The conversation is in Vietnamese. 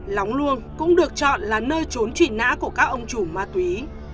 lóng luông cũng được chọn là nơi trốn truy nã của các ông chủ ma túy